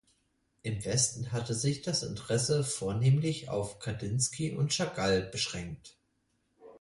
Im Westen hatte sich das Interesse vornehmlich auf Kandinsky und Chagall beschränkt.